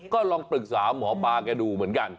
ก็ลองปรึกษาหมอปลาแกดูเหมือนกัน